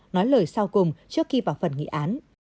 nói lời sau cùng trước khi vào phần nghị án